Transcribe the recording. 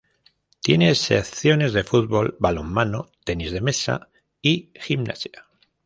Tiene secciones de fútbol, balonmano, tenis de mesa y gimnasia.